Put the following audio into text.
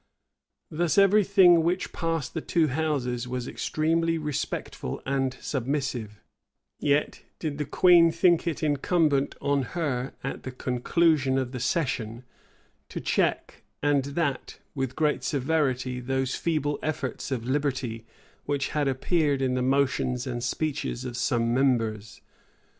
[*] Thus every thing which passed the two houses was extremely respectful and submissive; yet did the queen think it incumbent on her, at the conclusion of the session, to check and that with great severity, those feeble efforts of liberty which had appeared in the motions and speeches of some members.